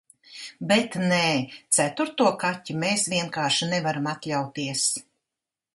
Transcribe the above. Bet, nē, ceturto kaķi mēs vienkārši nevaram atļauties...